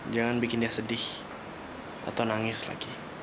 jangan bikin dia sedih atau nangis lagi